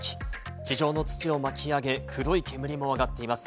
地上の土を巻き上げ、黒い煙も上がっています。